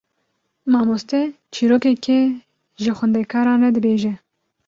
Mamoste çîrokekê ji xwendekaran re dibêje.